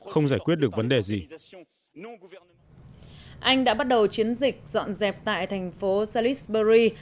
tại thành phố salisbury